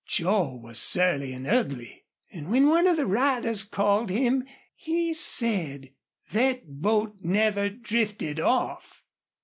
Joel was surly an' ugly. An' when one of the riders called him he said: 'Thet boat NEVER DRIFTED OFF.